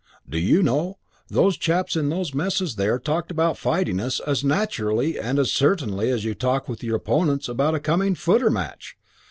Do you know, those chaps in those messes there talked about fighting us as naturally and as certainly as you talk with your opponents about a coming footer match.